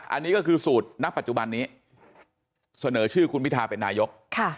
อันนี้ก็คือสูตรณปัจจุบันนี้เสนอชื่อคุณพิทาเป็นนายก